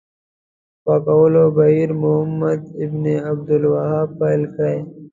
پاکولو بهیر محمد بن عبدالوهاب پیل کړی.